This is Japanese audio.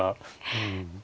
うん。